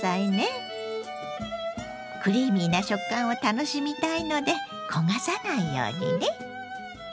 クリーミーな食感を楽しみたいので焦がさないようにね。